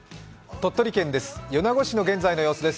鳥取県です。